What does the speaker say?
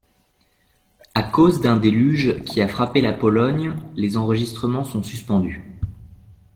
À cause d'un déluge qui a frappé la Pologne, les enregistrements sont suspendus.